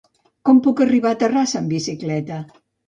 Com puc arribar a Terrassa amb bicicleta?